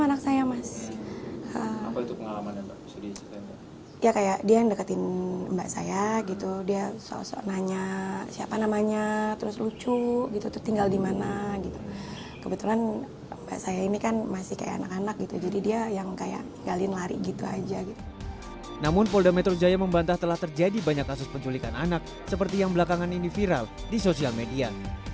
namun polda metro jaya membantah telah terjadi banyak kasus penculikan anak seperti yang belakangan ini viral di sosial media